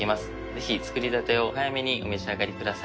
ぜひ作りたてをお早めにお召し上がりください。